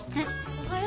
おはよう。